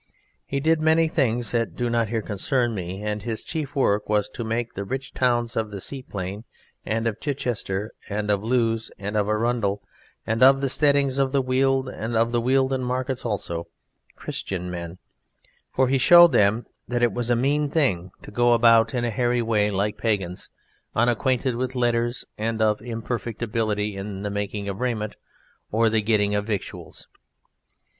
He did many things that do not here concern me, and his chief work was to make the rich towns of the sea plain and of Chichester and of Lewes and of Arundel, and of the steadings of the Weald, and of the wealden markets also, Christian men; for he showed them that it was a mean thing to go about in a hairy way like pagans, unacquainted with letters, and of imperfect ability in the making of raiment or the getting of victuals.